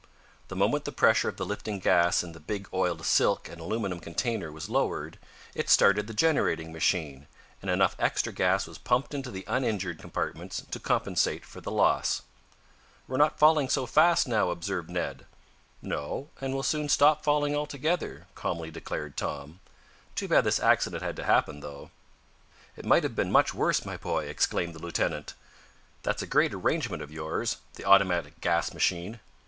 The moment the pressure of the lifting gas in the big oiled silk and aluminum container was lowered, it started the generating machine, and enough extra gas was pumped into the uninjured compartments to compensate for the loss. "We're not falling so fast now," observed Ned. "No, and we'll soon stop falling altogether," calmly declared Tom. "Too bad this accident had to happen, though." "It might have been much worse, my boy!" exclaimed the lieutenant. "That's a great arrangement of yours the automatic gas machine."